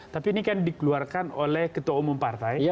tapi ini kan dikeluarkan oleh ketua umum partai